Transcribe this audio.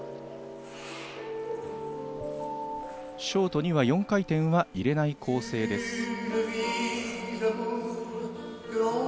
ショートには４回転は入れない構成です。